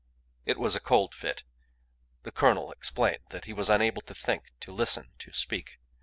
It was a cold fit. The colonel explained that he was unable to think, to listen, to speak.